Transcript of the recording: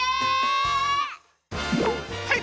はい！